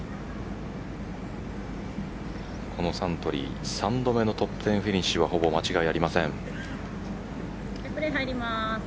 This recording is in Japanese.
このサントリー３度目のトップ１０フィニッシュは揺るぎない。